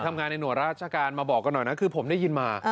ทำงานในหน่วยราชการมาบอกกันหน่อยนะคือผมได้ยินมา